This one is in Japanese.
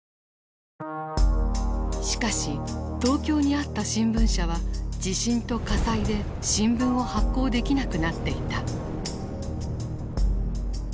しかし東京にあった新聞社は地震と火災で新聞を発行できなくなっていた。